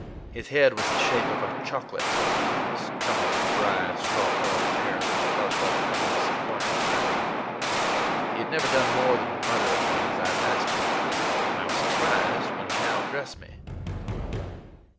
His head was the shape of a chocolate drop, and was covered with dry, straw colored hair that fuzzed up about his pointed crown. He had never done more than mutter at me as I passed him, and I was surprised when he now addressed me.